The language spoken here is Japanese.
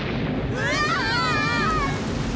うわ！